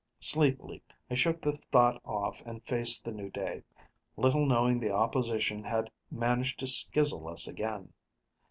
Sleepily, I shook the thought off and faced the new day little knowing the opposition had managed to skizzle us again.